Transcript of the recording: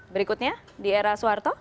berikutnya di era soeharto